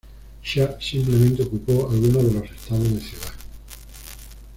Xia simplemente ocupó algunos de los estados de ciudad.